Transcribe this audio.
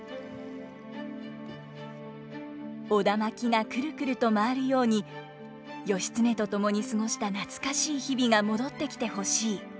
苧環がくるくると回るように義経と共に過ごした懐かしい日々が戻ってきて欲しい。